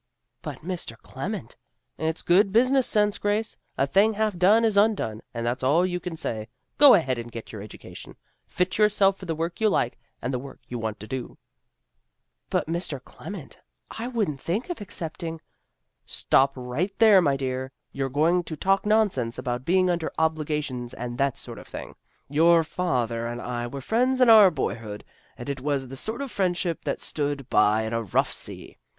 " But, Mr. Clement "" It's good business sense, Grace. A thing half done is undone, and that's all you can say. Go ahead and get your education. Fit yourself for the work you like, and the work you want to do." 342 THE GIRLS OF FRIENDLY TERRACE " But, Mr. Clement, I wouldn't think of accepting "" Stop right there, my dear. You're going to talk nonsense about being under obligations and that sort of thing. Your father and I were friends in our boyhood and it was the sort of friendship that stood by in a rough sea.